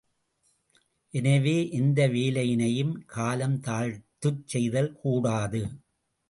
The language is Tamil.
எனவே எந்த வேலையினையும் காலம் தாழ்த்துச் செய்தல் கூடாது.